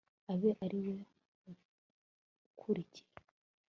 abe ari we mukurikira